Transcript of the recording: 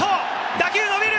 打球、のびる！